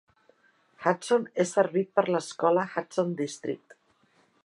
Hudson és servit per l'escola Hudson DistrictF.